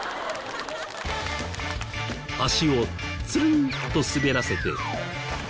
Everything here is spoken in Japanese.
足をつるんと滑らせて。